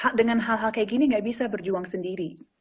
karena dengan hal hal kayak gini tidak bisa berjuang sendiri